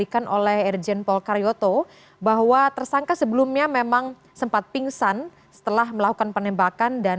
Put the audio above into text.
jalan proklamasi jakarta pusat